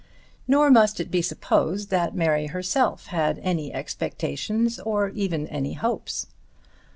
Nor must it be supposed that Mary herself had any expectations or even any hopes.